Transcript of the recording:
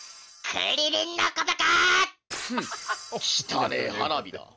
ふんっきたねえ花火だ